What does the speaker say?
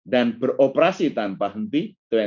dan beroperasi tanpa henti